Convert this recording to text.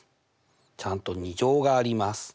ちゃんと２乗があります。